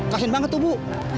kasihan banget tuh bu